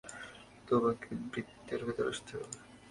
তোমাকে বৃত্তের ভেতর আসতে হবে!